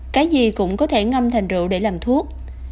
cái gì cũng có thể ngâm thành rượu để làm thuốc